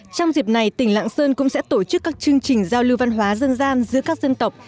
trong dịp này tỉnh lạng sơn cũng sẽ tổ chức các chương trình giao lưu văn hóa dân gian giữa các dân tộc